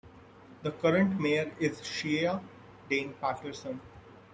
The current mayor is Shea Dane Patterson.